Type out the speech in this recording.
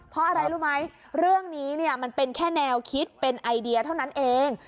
เพราะอะไรรู้ไหมเรื่องนี้เนี่ยมันเป็นแค่แนวคิดเป็นไอเดียเท่านั้นเอง